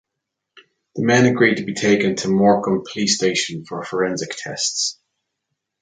The men agreed to be taken to Morecambe police station for forensic tests.